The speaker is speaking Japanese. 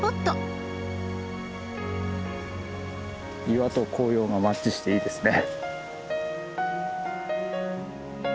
岩と紅葉がマッチしていいですね。